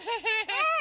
うん！